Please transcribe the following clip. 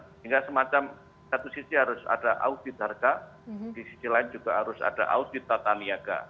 sehingga semacam satu sisi harus ada audit harga di sisi lain juga harus ada audit tata niaga